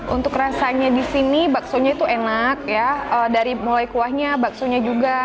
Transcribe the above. untuk rasanya di sini bakso nya itu enak ya dari mulai kuahnya bakso nya juga